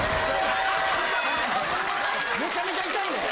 めちゃめちゃ痛いねん。